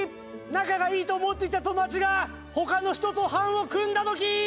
仲のいいと思ってた友達が他の人と班を組んだときー。